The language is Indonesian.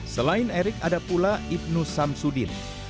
selain erik ada pula ibnu samsudin